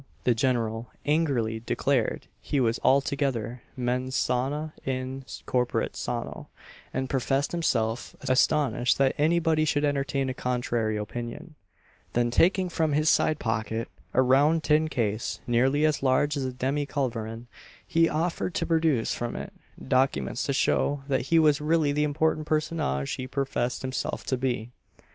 The General angrily declared he was altogether mens sana in corpore sano; and professed himself astonished that any body should entertain a contrary opinion; then taking from his side pocket a round tin case, nearly as large as a demi culverin, he offered to produce from it documents to show that he was really the important personage he professed himself to be.